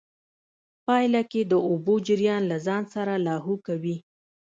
پايله کې د اوبو جريان له ځان سره لاهو کوي.